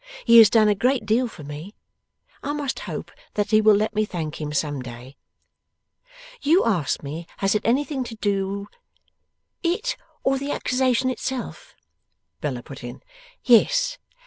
'He has done a great deal for me. I must hope that he will let me thank him some day. You asked me has it anything to do ' 'It or the accusation itself,' Bella put in. 'Yes.